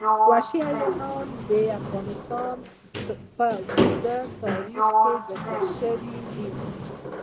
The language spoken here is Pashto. وحشي حیوانات د افغانستان په اوږده تاریخ کې ذکر شوي دي.